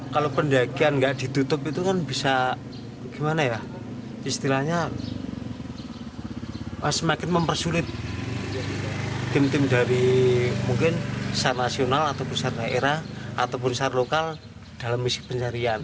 kalau pendakian nggak ditutup itu kan bisa gimana ya istilahnya semakin mempersulit tim tim dari mungkin sar nasional atau pusat daerah ataupun sar lokal dalam misi pencarian